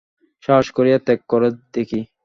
সাহস করিয়া ত্যাগ কর দেখি।